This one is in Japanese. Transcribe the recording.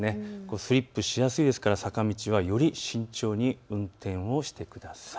スリップしやすいですからより慎重に運転をしてください。